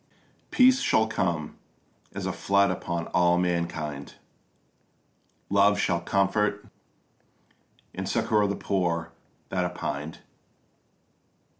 Peace shall come as a flood upon all mankind; Love shall comfort and succour the poor that are pined.